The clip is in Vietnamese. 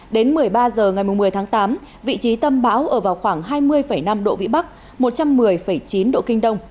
đến một mươi ba h ngày một mươi tháng tám vị trí tâm bão ở vào khoảng hai mươi năm độ vĩ bắc một trăm một mươi chín độ kinh đông